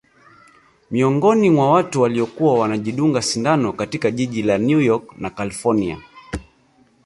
Miongoni mwa watu waliokuwa wanajidunga sindano katika jiji la New York na kalifornia